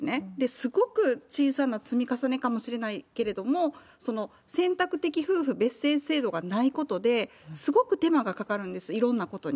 すごく小さな積み重ねかもしれないけれども、選択的夫婦別姓制度がないせいで、すごく手間がかかるんです、いろんなことに。